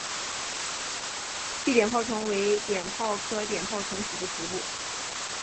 鲫碘泡虫为碘泡科碘泡虫属的动物。